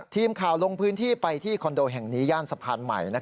ทีมข่าวลงพื้นที่ไปที่คอนโดแห่งนี้ย่านสะพานใหม่